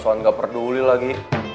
sosokan gak peduli lagi